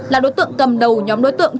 là đối tượng cầm đầu nhóm đối tượng xe ô tô